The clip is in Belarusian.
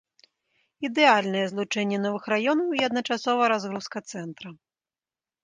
Ідэальнае злучэнне новых раёнаў і адначасова разгрузка цэнтра.